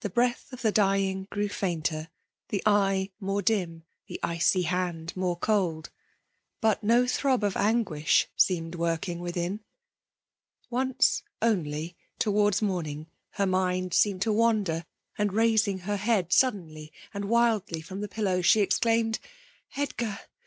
The breaA of the dying grew fainter, the eye more dim, the icy hand more cold. But no throb of FKMALE DOMINATION. 131 anguiah seemed workiiig mthin. Once onlji towards mendng, her mind seemed to wander ; and, raising her head suddenly and wildly from her pillow, she exchumed " Hdgar